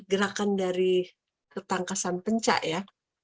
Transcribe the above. gerakan dari ketangkasan penca ya